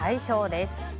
です。